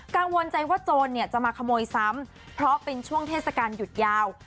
กังวลใจว่าโจรเนี่ยจะมาขโมยซ้ำเพราะเป็นช่วงเทศกาลหยุดยาว